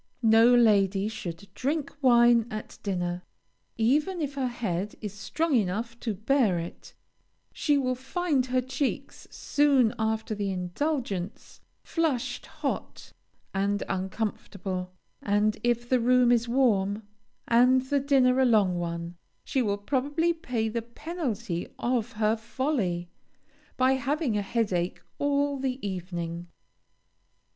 No lady should drink wine at dinner. Even if her head is strong enough to bear it, she will find her cheeks, soon after the indulgence, flushed, hot, and uncomfortable; and if the room is warm, and the dinner a long one, she will probably pay the penalty of her folly, by having a headache all the evening.